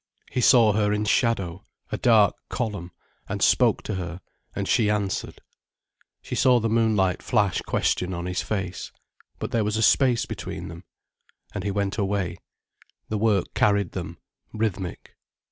He saw her in shadow, a dark column, and spoke to her, and she answered. She saw the moonlight flash question on his face. But there was a space between them, and he went away, the work carried them, rhythmic.